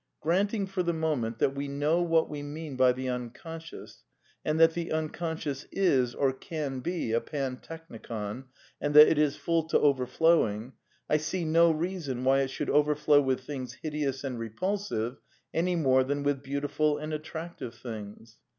Granting for the moment that we know what we mean by the Unconscious, and that the Unconscious is, or can be, a pantechnicon, and that it is full to overflowing, I see no reason why it should overflow with things hideous and repulsive any more than with beautiful and attractive things.